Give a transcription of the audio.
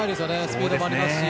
スピードもありますし。